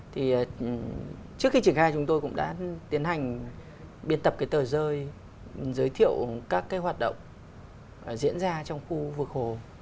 thì trước khi triển khai chúng tôi cũng đã tiến hành biên tập cái tờ rơi giới thiệu các cái hoạt động diễn ra trong khu vực hồ